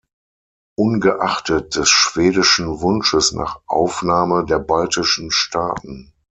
Ungeachtet des schwedischen Wunsches nach Aufnahme der baltischen Staaten.